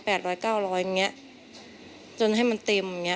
ร้อยเก้าร้อยอย่างเงี้ยจนให้มันเต็มเงี